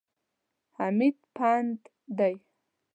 حمید پنډ دی.